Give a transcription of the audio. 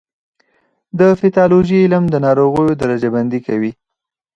د پیتالوژي علم د ناروغیو درجه بندي کوي.